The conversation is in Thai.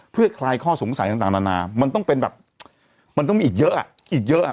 เพื่อคลายข้อสงสัยต่างต่างนานามันต้องเป็นแบบมันต้องมีอีกเยอะอ่ะ